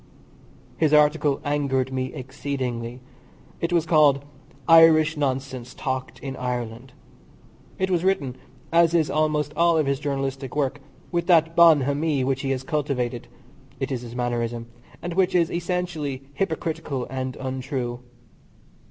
His article angered me exceedingly. It was called "Irish Nonsense talked in Ireland." It was written (as is almost all of his journalistic work) with that bonhomie which he has cultivated it is his mannerism and which is essentially hypocritical and untrue.